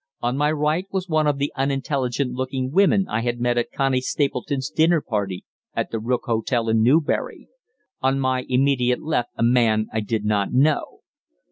On my right was one of the unintelligent looking women I had met at Connie Stapleton's dinner party at the Rook Hotel in Newbury; on my immediate left a man I did not know.